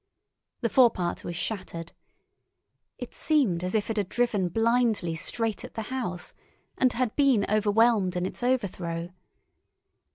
The forepart was shattered. It seemed as if it had driven blindly straight at the house, and had been overwhelmed in its overthrow.